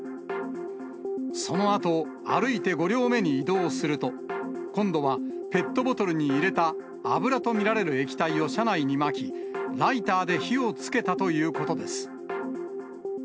そのあと、歩いて５両目に移動すると、今度はペットボトルに入れた油と見られる液体を車内にまき、ライターで火をつけたということです。